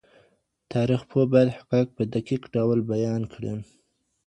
تاریخ پوه باید حقایق په دقیق ډول بیان کړي.